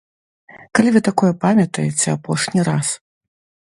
Калі вы такое памятаеце апошні раз?